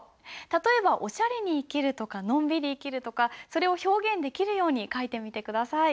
例えばおしゃれに生きるとかのんびり生きるとかそれを表現できるように書いてみて下さい。